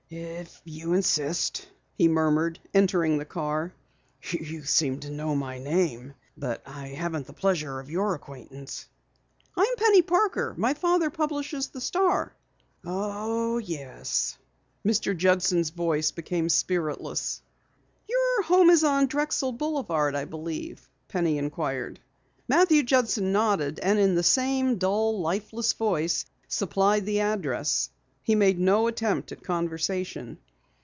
"If you insist," he murmured, entering the car. "You seem to know my name, but I haven't the pleasure of your acquaintance." "I'm Penny Parker. My father publishes the Star." "Oh, yes." Mr. Judson's voice became spiritless. "Your home is on Drexel Boulevard, I believe?" Penny inquired. Matthew Judson nodded and in the same dull, lifeless voice supplied the address. He made no attempt at conversation.